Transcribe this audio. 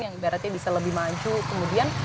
yang ibaratnya bisa lebih maju kemudian